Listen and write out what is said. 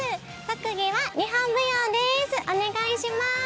特技は日本舞踊ですお願いします！